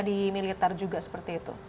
atau sudah jadi militer juga seperti itu